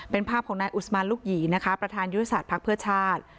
เป็นภาพของนายอุศมันลูกหยีนะคะประธานยุทธศาสตร์ภักดิ์เพื่อชาติ